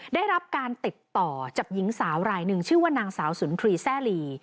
ได้รับการติดต่อจากหญิงสาวรายหนึ่งชื่อว่านางสาวสุนทรีแซ่ลี